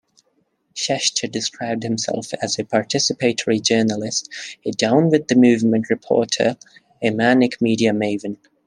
Schechter described himself as a participatory journalist, a down-with-the-movement reporter, a manic media maven.